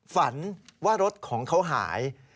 ฝันว่ารถของเขาหาย